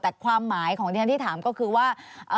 แต่ความหมายของที่ฉันที่ถามก็คือว่า